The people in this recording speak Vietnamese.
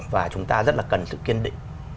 và chúng ta rất là cần sự kiên định